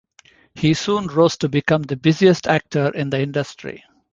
He soon rose to become the busiest actor in the industry.